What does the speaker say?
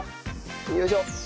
よいしょ。